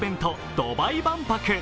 ・ドバイ万博。